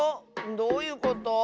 どういうこと？